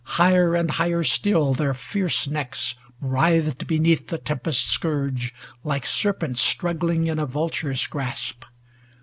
Higher and higher still Their fierce necks writhed beneath the tempest's scourge Like serpents struggling in a vulture's grasp.